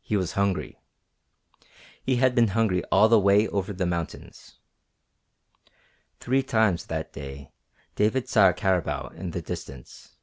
He was hungry. He had been hungry all the way over the mountains. Three times that day David saw a caribou at a distance.